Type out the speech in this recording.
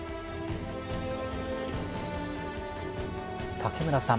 竹村さん